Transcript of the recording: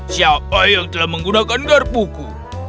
siapa yang telah menggunakan garpuku